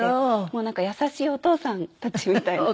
もうなんか優しいお父さんたちみたいな。